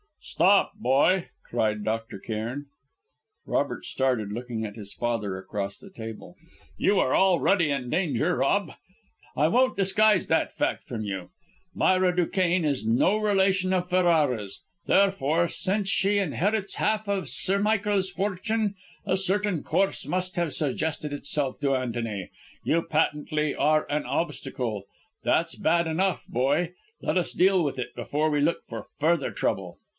"Stop boy!" cried Dr. Cairn. Robert started, looking at his father across the table. "You are already in danger, Rob. I won't disguise that fact from you. Myra Duquesne is no relation of Ferrara's; therefore, since she inherits half of Sir Michael's fortune, a certain course must have suggested itself to Antony. You, patently, are an obstacle! That's bad enough, boy; let us deal with it before we look for further trouble."